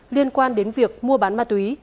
liên quan đến việc mua bán ma túy